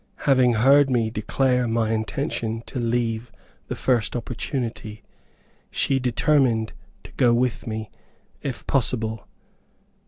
Having heard me declare my intention to leave the first opportunity, she determined to go with me if possible.